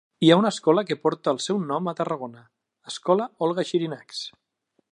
Hi ha una escola que porta el seu nom a Tarragona, Escola Olga Xirinacs.